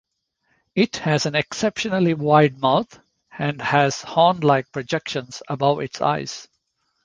It has an exceptionally wide mouth, and has horn-like projections above its eyes.